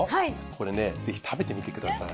これねぜひ食べてみてください。